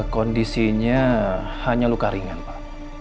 kondisinya hanya luka ringan pak